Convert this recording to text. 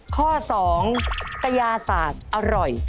ข้อ๒กยาสาดอร่อย